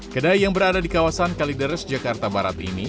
kedai yang berada di kawasan kalideres jakarta barat ini